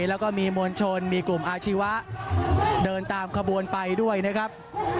แล้วก็มีมวลชนมีกลุ่มอาชีวะเดินตามขบวนไปด้วยนะครับ